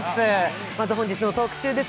まず、本日の特集です。